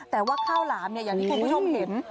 แต่ว่าข้าวหลามอย่างที่คุณผู้ชมเห็น